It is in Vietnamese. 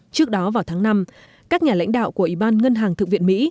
trước đó vào tháng năm các nhà lãnh đạo của ủy ban ngân hàng thượng viện mỹ